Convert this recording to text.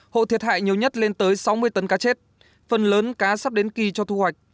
hộ thiệt hại nhiều nhất lên tới sáu mươi tấn cá chết phần lớn cá sắp đến kỳ cho thu hoạch